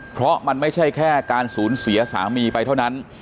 เพราะมันไม่ใช่แค่การสูญเสียสามีไปเท่านั้น